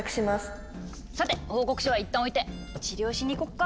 さて報告書はいったんおいて治療しに行こっか！